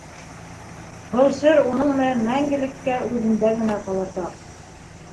Был сер уның менән мәңгелеккә үҙендә генә ҡаласаҡ.